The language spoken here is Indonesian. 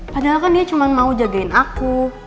padahal kan dia cuma mau jagain aku